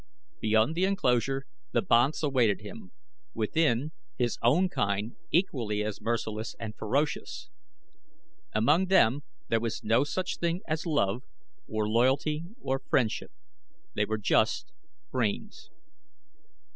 Beyond the enclosure the banths awaited him; within, his own kind, equally as merciless and ferocious. Among them there was no such thing as love, or loyalty, or friendship they were just brains.